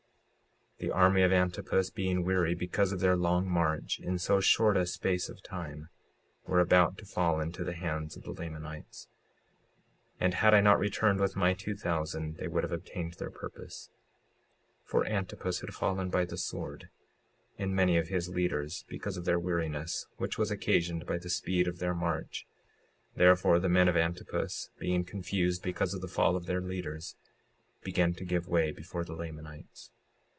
56:50 The army of Antipus being weary, because of their long march in so short a space of time, were about to fall into the hands of the Lamanites; and had I not returned with my two thousand they would have obtained their purpose. 56:51 For Antipus had fallen by the sword, and many of his leaders, because of their weariness, which was occasioned by the speed of their march—therefore the men of Antipus, being confused because of the fall of their leaders, began to give way before the Lamanites.